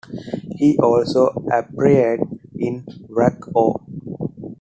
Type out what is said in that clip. He also appeared in Whack-O!